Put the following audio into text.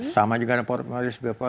sama juga ada port morrisby